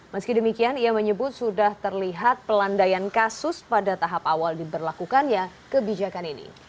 meski demikian ia menyebut sudah terlihat pelandaian kasus pada tahap awal diberlakukannya kebijakan ini